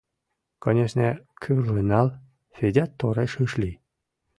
— Конешне, кӱрлын нал, — Федят тореш ыш лий.